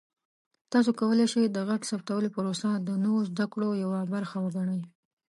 تاسو کولی شئ د غږ ثبتولو پروسه د نوو زده کړو یوه برخه وګڼئ.